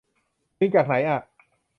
ดึงจากไหนอ่ะ